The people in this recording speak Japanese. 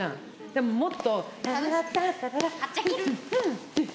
でももっと。